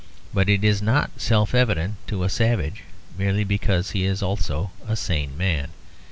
But it is not self evident to a savage merely because he is also a sane man.